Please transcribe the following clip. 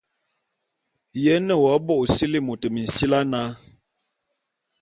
Ye nne w'abo ô sili'i môt minsili ana?